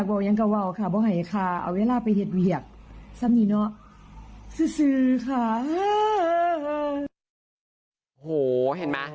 เอาเวลาเอาไปเฮ็ดเวียกเลย